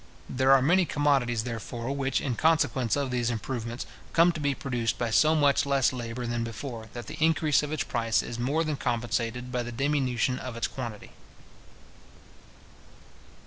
There are many commodities, therefore, which, in consequence of these improvements, come to be produced by so much less labour than before, that the increase of its price is more than compensated by the diminution of its quantity.